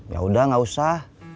yaudah gak usah